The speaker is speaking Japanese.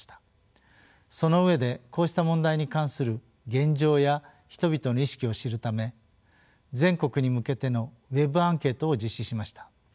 その上でこうした問題に関する現状や人々の意識を知るため全国に向けてのＷｅｂアンケートを実施しました。